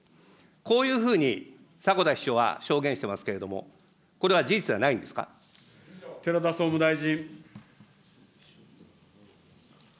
こういうふうに迫田秘書は証言していますけれども、これは事実で寺田総務大臣。